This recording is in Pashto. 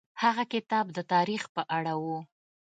هغه کتاب د تاریخ په اړه و.